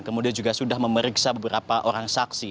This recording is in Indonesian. kemudian juga sudah memeriksa beberapa orang saksi